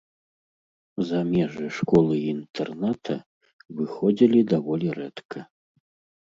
За межы школы-інтэрната выходзілі даволі рэдка.